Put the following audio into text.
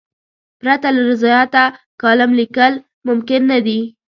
پرته له ریاضته کالم لیکل ممکن نه دي.